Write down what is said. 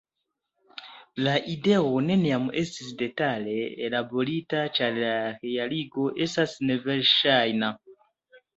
La ideo neniam estis detale ellaborita ĉar la realigo estas neverŝajna.